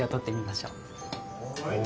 はい。